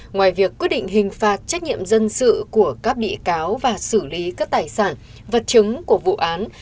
ngoài việc quyết định hình phạt trách nhiệm dân sự của các bị cáo và xử lý các tài sản vật chứng của vụ án